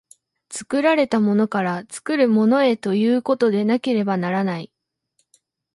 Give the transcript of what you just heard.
作られたものから作るものへということでなければならない。